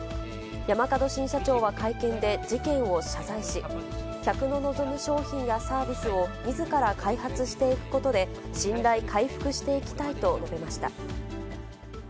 山角新社長は会見で、事件を謝罪し、客の望む商品やサービスをみずから開発していくことで、信頼回復していきたいと述べました。